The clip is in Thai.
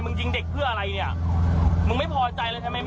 อันนี้เรื่องในสถาบัติใช่ไหม